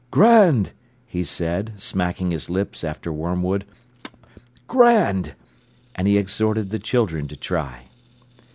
"Grand!" he said, smacking his lips after wormwood. "Grand!" And he exhorted the children to try.